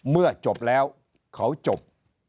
เมื่อจบแล้วเขาจบ